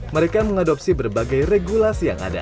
mereka mengadopsi berbagai regulasi yang ada